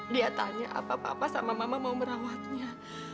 dia tanya apa apa sama mama mau merawatnya